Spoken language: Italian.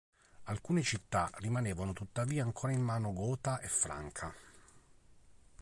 Alcune città rimanevano tuttavia ancora in mano gota e franca.